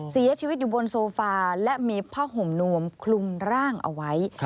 เสียชีวิตอยู่บนโซฟาและมีผ้าห่มนวมคลุมร่างเอาไว้